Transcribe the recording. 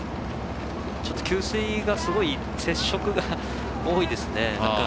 給水がすごい接触が多いですね。